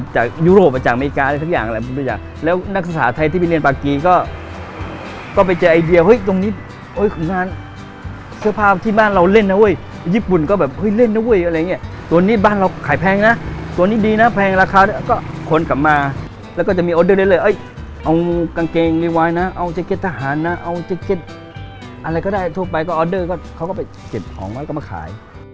จากยุโรปจากอเมริกา